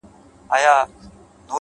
سپوږمۍ هغې ته په زاریو ویل ؛